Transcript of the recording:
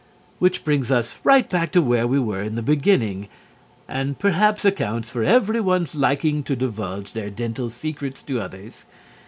Which brings us right back to where we were in the beginning, and perhaps accounts for everyone's liking to divulge their dental secrets to others.